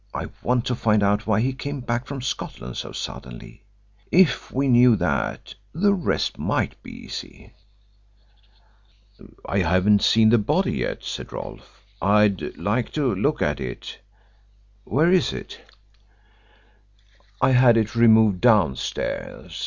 I want to find out why he came back from Scotland so suddenly. If we knew that the rest might be easy." "I haven't seen the body yet," said Rolfe. "I'd like to look at it. Where is it?" "I had it removed downstairs.